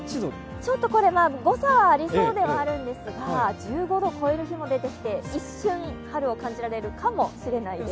ちょっとこれが誤差がありそうではあるですが、１５度を超えてきて一瞬、春を感じられるかもしれないです。